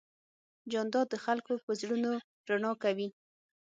جانداد د خلکو په زړونو رڼا کوي.